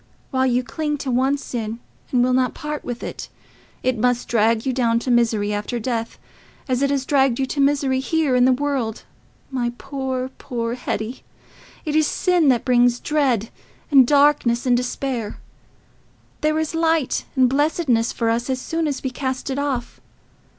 While you cling to one sin and will not part with it, it must drag you down to misery after death, as it has dragged you to misery here in this world, my poor, poor Hetty. It is sin that brings dread, and darkness, and despair: there is light and blessedness for us as soon as we cast it off.